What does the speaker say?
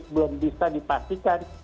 belum bisa dipastikan